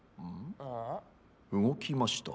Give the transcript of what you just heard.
動きました？